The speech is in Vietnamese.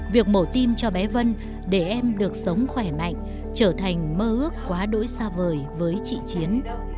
việc mổ tim cho bé vân để em được sống khỏe mạnh trở thành mơ ước quá đỗi xa vời với chị chiến